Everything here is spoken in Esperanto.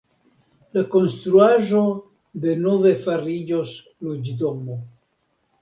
La konstruaĵo denove fariĝos loĝdomo.